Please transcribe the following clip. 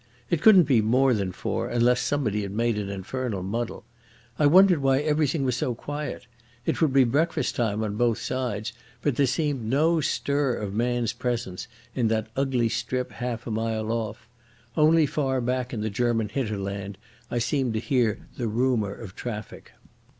It couldn't be more than four, unless somebody had made an infernal muddle. I wondered why everything was so quiet. It would be breakfast time on both sides, but there seemed no stir of man's presence in that ugly strip half a mile off. Only far back in the German hinterland I seemed to hear the rumour of traffic.